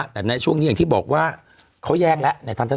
แต่ในช่วงนี้อย่างที่บอกว่าเขาแยกแล้วในท่านทัศน์